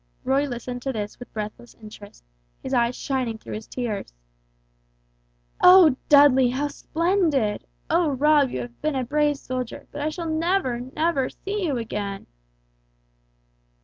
Roy listened to this with breathless interest, his eyes shining through his tears. "Oh, Dudley, how splendid! oh, Rob, you have been a brave soldier, but I shall never, never see you again!"